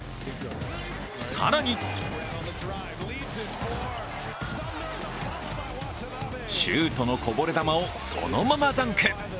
更に、シュートのこぼれ球をそのままダンク。